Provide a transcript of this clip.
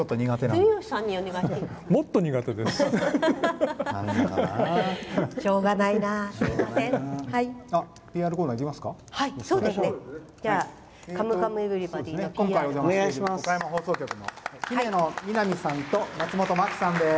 もっと苦手です！